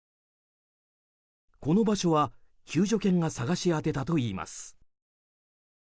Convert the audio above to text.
この場所は救助犬が探し当てたといいます。